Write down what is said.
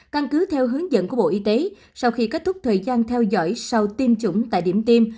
căn cứ theo hướng dẫn của bộ y tế sau khi kết thúc thời gian theo dõi sau tiêm chủng tại điểm tiêm